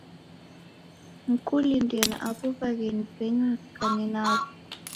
Mkulindie na aw'o w'aghenyi w'enyu mkanye naw'o.